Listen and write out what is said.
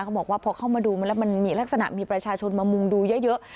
บอกว่าพอเข้ามาดูมาแล้วมันมีลักษณะมีประชาชนมามุงดูเยอะ